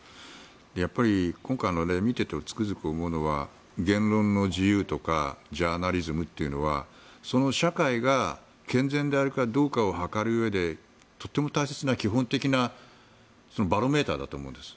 やっぱり、今回の例を見ていてつくづく思うのは言論の自由とかジャーナリズムというのはその社会が健全であるかどうかを図るうえでとても大切な基本的なバロメーターだと思うんです。